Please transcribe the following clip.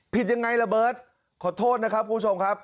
ผิดยังไงระเบิร์ตขอโทษนะครับคุณผู้ชมครับ